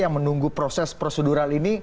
yang menunggu proses prosedural ini